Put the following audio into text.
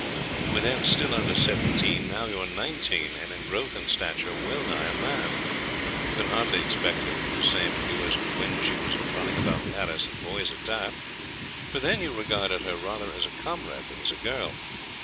You were then still under seventeen, now you are nineteen, and in growth and stature well nigh a man. You can hardly expect her to be the same with you as when she was running about Paris in boy's attire, for then you regarded her rather as a comrade than as a girl.